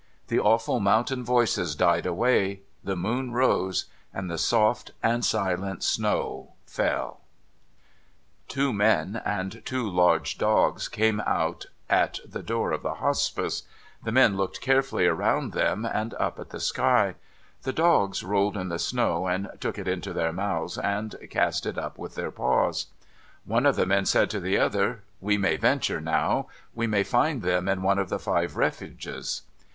The awful mountain voices died away, the moon rose, and the soft and silent snow fell. cy/i^ ^/i(?4oua/f/a4e IN SEARCH OF THE TRAVELLERS 553 Two men and two large dogs came out at the door of the Hospice. The men looked carefully around them, and up at the sky. The dogs rolled in the snow^, and took it into their mouths, and cast it up with their paws. One of the men said to the other :' We may venture now. We may find them in one of the five Refuges.'